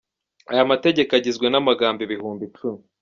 Aya mategeko agizwe n’amagambo ibihumbi icumi.